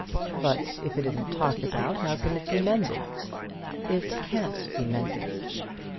"But if it isn't talked about, how can it be mended?" "It can't be mended."